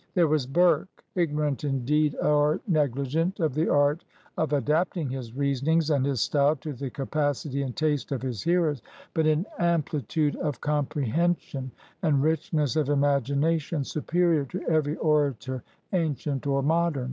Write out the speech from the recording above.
There was Burke, ignorant, indeed, or negligent of the art of adapting his reasonings and his style to the capacity and taste of his hearers, but in amplitude of comprehension and richness of imagination superior to every orator, ancient or modem.